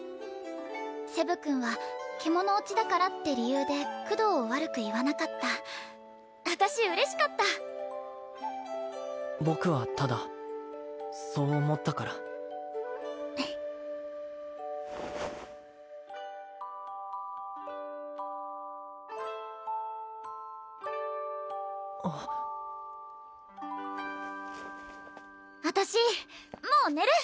セブ君は獣堕ちだからって理由でクドーを悪く言わなかった私嬉しかった僕はただそう思ったからあっ私もう寝る！